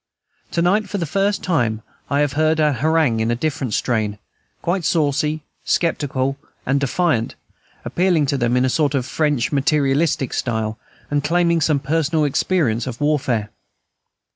To night for the first time I have heard an harangue in a different strain, quite saucy, sceptical, and defiant, appealing to them in a sort of French materialistic style, and claiming some personal experience of warfare.